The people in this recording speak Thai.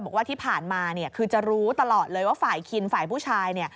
บอกว่าที่ผ่านมาคือจะรู้ตลอดเลยว่าฝ่ายคินฝ่ายผู้ชาย